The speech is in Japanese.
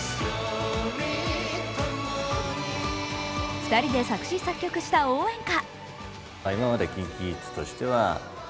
２人で作詩・作曲した応援歌。